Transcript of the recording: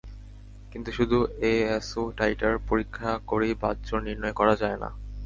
কিন্তু শুধু ASO titre পরীক্ষা করেই বাতজ্বর নির্ণয় করা যায় না।